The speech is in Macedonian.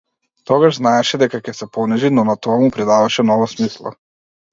Тогаш знаеше дека ќе се понижи, но на тоа му придаваше нова смисла.